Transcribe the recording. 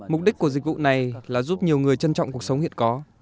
mục đích của dịch vụ này là giúp nhiều người trân trọng tương lai